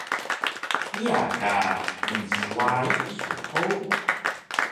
Piya ka mnswayi su hug?